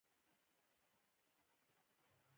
تاسو څومره غواړئ؟